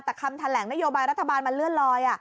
แต่คำแถลงนโยบายรัฐบาลมันเลื่อนลอย